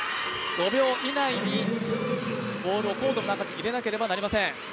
５秒以内にボールをコートの中に入れなければいけません。